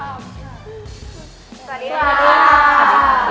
สวัสดีครับ